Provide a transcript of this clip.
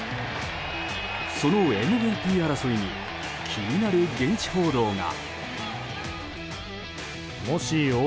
そのＭＶＰ争いに気になる現地報道が。